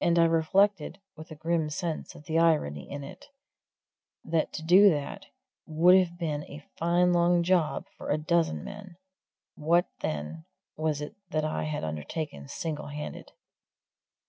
And I reflected, with a grim sense of the irony of it, that to do that would have been a fine long job for a dozen men what, then, was it that I had undertaken single handed?